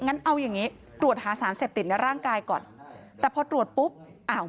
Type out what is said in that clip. งั้นเอาอย่างงี้ตรวจหาสารเสพติดในร่างกายก่อนแต่พอตรวจปุ๊บอ้าว